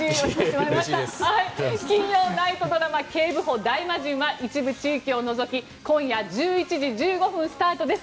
金曜ナイトドラマ「警部補ダイマジン」は一部地域を除き今夜１１時１５分スタートです。